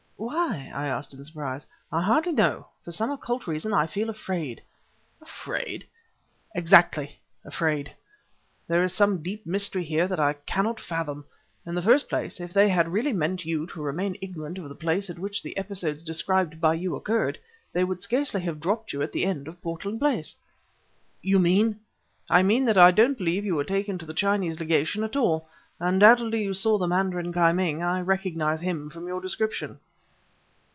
"Why?" I asked in surprise. "I hardly know; but for some occult reason I feel afraid." "Afraid?" "Exactly; afraid. There is some deep mystery here that I cannot fathom. In the first place, if they had really meant you to remain ignorant of the place at which the episodes described by you occurred, they would scarcely have dropped you at the end of Portland Place." "You mean ...?" "I mean that I don't believe you were taken to the Chinese Legation at all. Undoubtedly you saw the mandarin Ki Ming; I recognize him from your description."